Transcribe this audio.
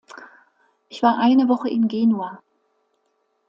Ich war eine Woche in Genua.